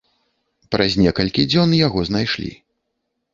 Праз некалькі дзён яго знайшлі.